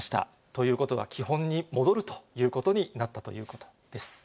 ということは基本に戻るということになったということです。